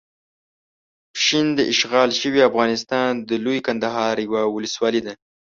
پشین داشغال شوي افغانستان د لويې کندهار یوه ولسوالۍ ده.